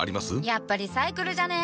やっぱリサイクルじゃね？